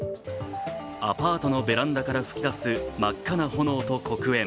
アパートのベランダから吹き出す真っ赤な炎と黒煙。